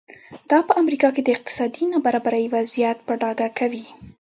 دا په امریکا کې د اقتصادي نابرابرۍ وضعیت په ډاګه کوي.